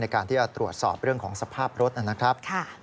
การที่จะตรวจสอบเรื่องของสภาพรถนะครับ